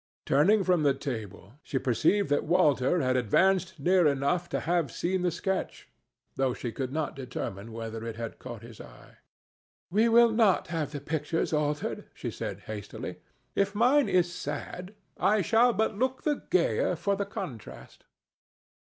Turning from the table, she perceived that Walter had advanced near enough to have seen the sketch, though she could not determine whether it had caught his eye. "We will not have the pictures altered," said she, hastily. "If mine is sad, I shall but look the gayer for the contrast."